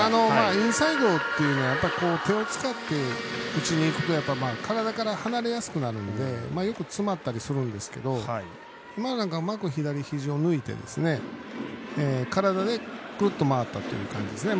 インサイドっていうのは手を使って打ちにいくと体から離れやすくなるんでよく詰まったりするんですけど今、うまく肘を抜いて体でくるっと回ったって感じですね。